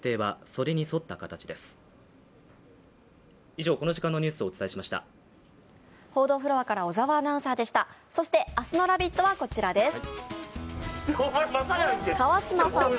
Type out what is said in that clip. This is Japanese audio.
そして明日の「ラヴィット！」はこちらです。